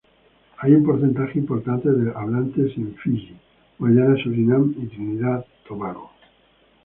Hay un porcentaje importante de hablantes en Fiyi, Guyana, Surinam y Trinidad y Tobago.